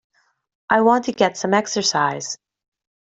I want to get some exercise.